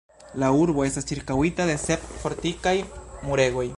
La urbo estas ĉirkaŭita de sep fortikaj muregoj.